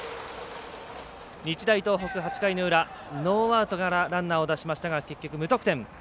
日大東北、８回の裏ノーアウトからランナーを出しましたが結局、無得点。